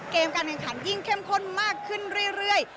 การแข่งขันยิ่งเข้มข้นมากขึ้นเรื่อย